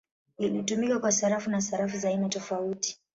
Ilitumika kwa sarafu na sarafu za aina tofauti.